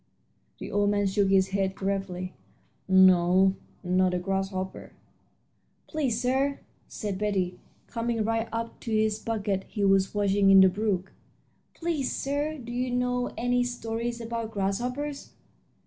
The old man shook his head gravely. "No, not a grasshopper." "Please, sir," said Betty, coming right up to the bucket he was washing in the brook "please, sir, do you know any stories about grasshoppers?"